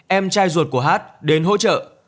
một nghìn chín trăm tám mươi sáu em trai ruột của h đến hỗ trợ